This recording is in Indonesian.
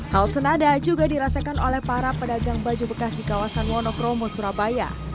hal senada juga dirasakan oleh para pedagang baju bekas di kawasan wonokromo surabaya